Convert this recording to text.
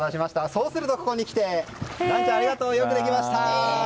そうすると、ここに来てランちゃん、ありがとう！よくできました！